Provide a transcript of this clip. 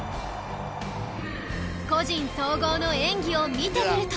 個人総合の演技を見てみると